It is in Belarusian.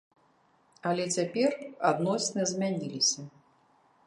Але цяпер адносіны змяніліся.